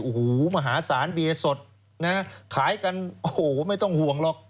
โอ้โหมหาศาลเบียร์สดนะขายกันโอ้โหไม่ต้องห่วงหรอก